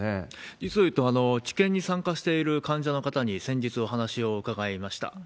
実をいうと治験に参加している患者の方に先日、お話を伺いました。